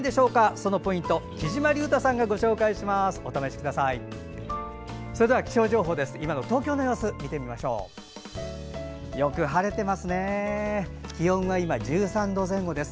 そのポイントきじまりゅうたさんがご紹介します。